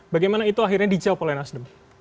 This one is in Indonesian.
bagaimana itu akhirnya dijawab oleh nasdem